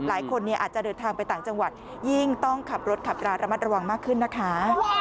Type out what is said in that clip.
หลายคนเนี่ยอาจจะเดินทางไปต่างจังหวัดยิ่งต้องขับรถขับราระมัดระวังมากขึ้นนะคะ